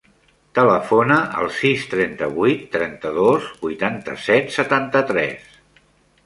Telefona al sis, trenta-vuit, trenta-dos, vuitanta-set, setanta-tres.